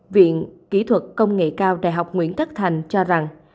viện kỹ thuật công nghệ cao đại học nguyễn thất thành cho rằng